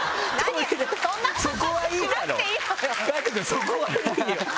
そこはいいよ！